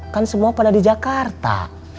kan semua pernah di jakarta